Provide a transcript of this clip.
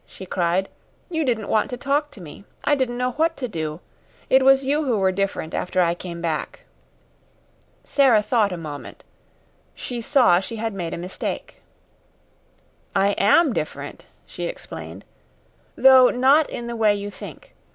she cried. "You didn't want to talk to me. I didn't know what to do. It was you who were different after I came back." Sara thought a moment. She saw she had made a mistake. "I AM different," she explained, "though not in the way you think.